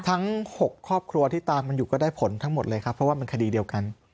ทั้ง๖ครอบครัวที่ตามมันอยู่ก็ได้ผลทั้งหมดเลยครับเพราะว่ามันคดีเดียวกัน